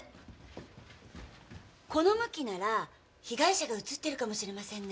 この向きなら被害者が映ってるかもしれませんね。